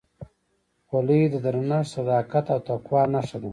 خولۍ د درنښت، صداقت او تقوا نښه ده.